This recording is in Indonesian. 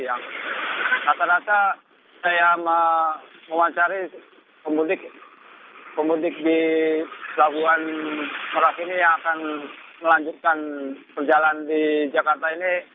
yang rata rata saya mewawancari pemudik di pelabuhan merak ini yang akan melanjutkan perjalanan di jakarta ini